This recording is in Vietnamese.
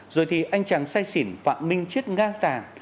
rồi thì anh chàng say xỉn phạm ninh chết ngang tàn